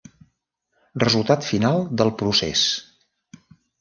Resultat final del procés.